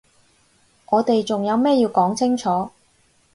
我哋仲有咩要講清楚？